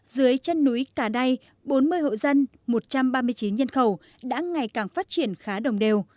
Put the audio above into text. dưới chân núi cả đay bốn mươi hộ dân một trăm ba mươi chín nhân khẩu đã ngày càng phát triển khá đồng đều